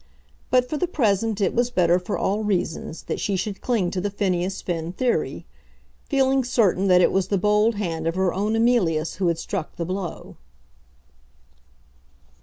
But for the present it was better for all reasons that she should cling to the Phineas Finn theory, feeling certain that it was the bold hand of her own Emilius who had struck the blow.